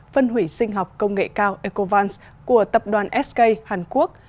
phân hủy sinh học công nghệ cao ecovans của tập đoàn sk hàn quốc